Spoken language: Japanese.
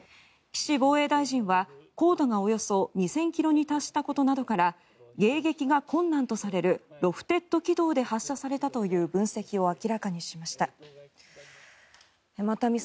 岸防衛大臣は高度がおよそ２０００ｋｍに達したことから迎撃が困難とされるロフテッド軌道で発射されたという分析を明らかにしました。